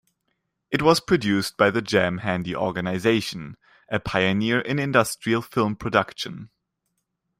It was produced by the Jam Handy Organization, a pioneer in industrial film production.